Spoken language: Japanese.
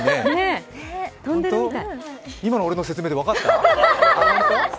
今の俺の説明で分かった？